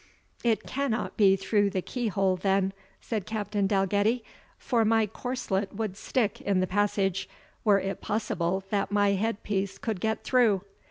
"It cannot be through the keyhole, then," said Captain Dalgetty, "for my corslet would stick in the passage, were it possible that my head piece could get through.